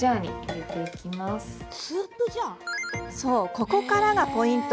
ここからがポイント。